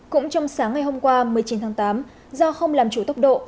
cũng trong sáng ngày hôm qua một mươi chín tháng tám do không làm chủ tốc độ